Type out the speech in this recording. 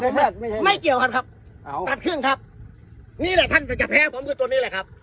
ไปดูไหมไม่เกี่ยวครับครับเอาตัดเครื่องครับนี่แหละท่านจะจะแพ้ของมือตัวนี้แหละครับ